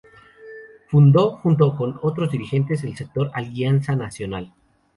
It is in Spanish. Fundó, junto con otros dirigentes, el sector Alianza Nacional.